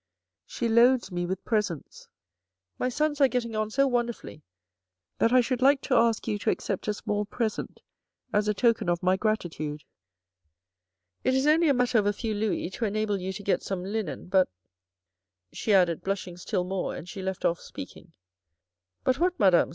She loads me with presents My sons are getting on so wonderfully that I should like to ask you to accept a small present as a token of my gratitude. It is only a matter of a few louis to enable you to get some linen. But —" she added, blushing still more, and she left off speaking —" But what, Madame